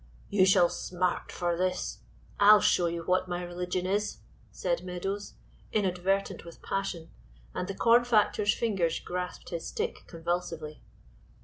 "You shall smart for this. I'll show you what my religion is," said Meadows, inadvertent with passion, and the corn factor's fingers grasped his stick convulsively.